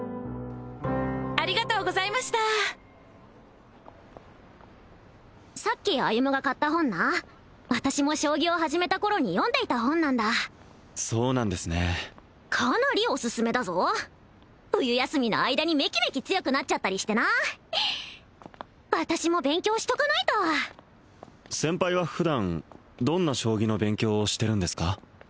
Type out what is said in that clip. ・ありがとうございましたさっき歩が買った本な私も将棋を始めた頃に読んでいた本なんだそうなんですねかなりオススメだぞ冬休みの間にメキメキ強くなっちゃったりしてな私も勉強しとかないと先輩は普段どんな将棋の勉強をしてるんですか？